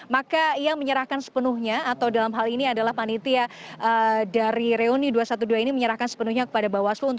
maka yang menyerahkan sepenuhnya atau dalam hal ini adalah panitia dari reuni dua ratus dua belas ini menyerahkan sepenuhnya kepada bawaslu